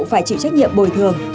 phải chịu trách nhiệm bồi thường